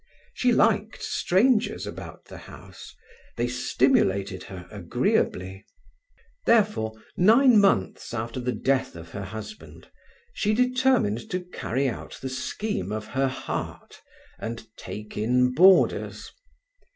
She liked strangers about the house; they stimulated her agreeably. Therefore, nine months after the death of her husband, she determined to carry out the scheme of her heart, and take in boarders.